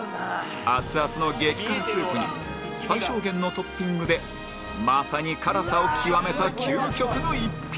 アツアツの激辛スープに最小限のトッピングでまさに辛さを極めた究極の一品